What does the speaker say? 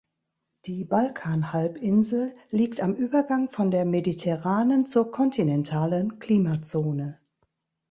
Die Balkanhalbinsel liegt am Übergang von der mediterranen zur kontinentalen Klimazone.